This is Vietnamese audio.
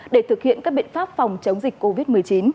để thực hiện các biện pháp phòng chống dịch covid một mươi chín